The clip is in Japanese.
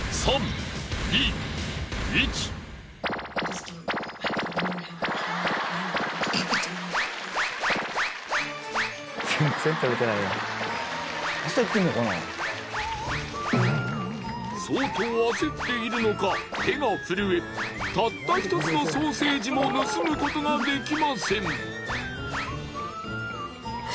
すると相当焦っているのか手が震えたった１つのソーセージも盗むことができません。